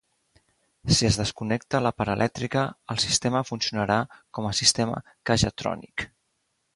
Si es desconnecta la part elèctrica, el sistema funcionarà com a sistema K-Jetronic.